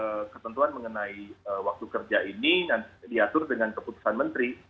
kemudian ketentuan mengenai waktu kerja ini diatur dengan keputusan menteri